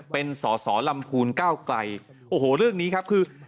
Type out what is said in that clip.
เป็นสอสอลำพูนก้าวไกลโอ้โหเรื่องนี้ครับคือ